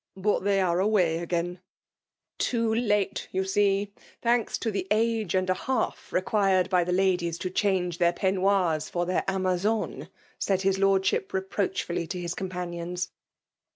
'* But they are away again/' '' Too late, you see ! Thanks to the age and a half required by the ladies to change their peignoirs for their amazone$ /*' said his lordship reproachfully to his companioiis.